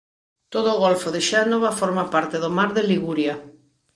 Todo o Golfo de Xénova forma parte do mar de Liguria.